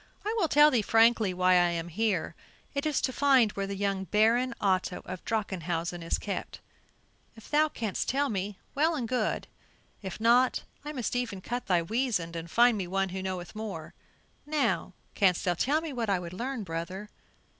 I will tell thee frankly why I am here; it is to find where the young Baron Otto of Drachenhausen is kept. If thou canst tell me, well and good; if not, I must e'en cut thy weasand and find me one who knoweth more. Now, canst thou tell me what I would learn, brother?"